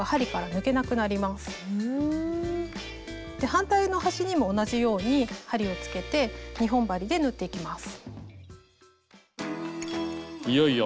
反対の端にも同じように針をつけて２本針で縫っていきます。